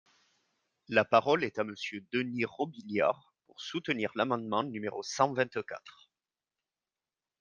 La parole est à Monsieur Denys Robiliard, pour soutenir l’amendement numéro cent vingt-quatre.